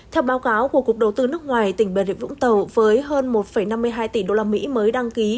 theo báo cáo của cục đầu tư nước ngoài tỉnh bà rịa vũng tàu với hơn một năm mươi hai tỷ usd mới đăng ký